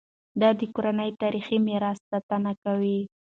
ده د کورنۍ تاریخي میراث ساتنه کوي.